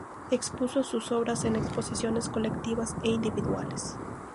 Expuso sus obras en exposiciones colectivas e individuales.